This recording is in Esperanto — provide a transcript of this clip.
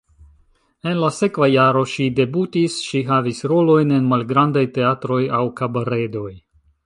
En la sekva jaro ŝi debutis, ŝi havis rolojn en malgrandaj teatroj aŭ kabaredoj.